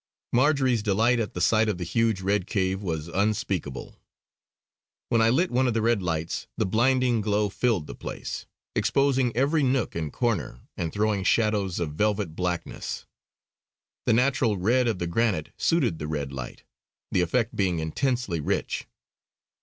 Marjory's delight at the sight of the huge red cave was unspeakable. When I lit one of the red lights the blinding glow filled the place, exposing every nook and corner, and throwing shadows of velvet blackness. The natural red of the granite suited the red light, the effect being intensely rich.